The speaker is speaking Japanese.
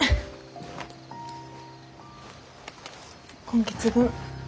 今月分。